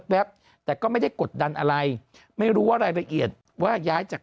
แป๊บแต่ก็ไม่ได้กดดันอะไรไม่รู้ว่ารายละเอียดว่าย้ายจาก